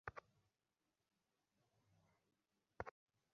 আপনারে বলছিলাম বাম হাতের, আপনি আনছেন ডান হাতের!